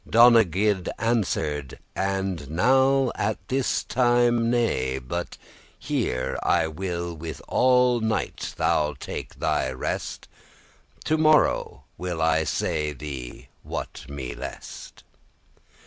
Donegild answer'd, "As now at this time, nay; But here I will all night thou take thy rest, To morrow will I say thee what me lest.